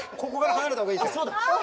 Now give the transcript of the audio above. そうだ。